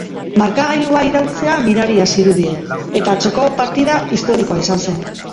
Markagailua iraultzea miraria zirudien, eta atzoko partida historikoa izan zen.